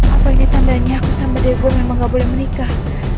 apa ini tandanya aku sama daegu memang gak boleh menikah